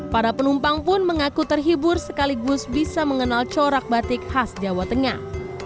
para penumpang pun mengaku terhibur sekaligus bisa mengenal corak batik khas jawa tengah